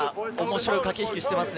面白い駆け引きをしていますね。